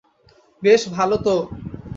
বেশ ভালো তো!